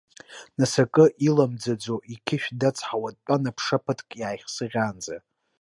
Нас акы иламӡаӡо иқьышә дацҳауа дтәан, аԥша ԥыҭк иааихсыӷьаанӡа.